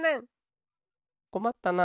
こまったな。